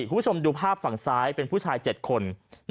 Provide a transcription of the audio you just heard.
คุณผู้ชมดูภาพฝั่งซ้ายเป็นผู้ชาย๗คน